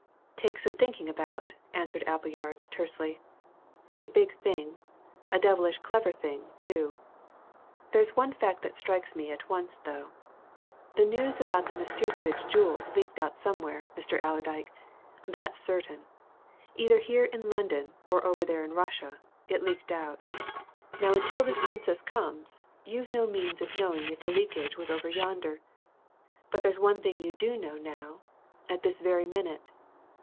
"Take some thinking about," answered Appleyard tersely. "It's a big thing a devilish clever thing, too. There's one fact strikes me at once, though. The news about the Nastirsevitch jewels leaked out somewhere, Mr. Allerdyke. That's certain. Either here in London, or over there in Russia, it leaked out. Now until this Princess comes you've no means of knowing if the leakage was over yonder. But there's one thing you do know now at this very minute.